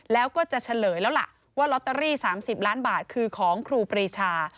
แล้วก็จะเฉลยแล้วล่ะว่าลอตเตอรี่๓๐ล้านบาทคือของครูปรีชา